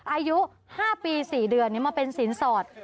อายุ๕ปี๔เดือนมาเป็นสินสอด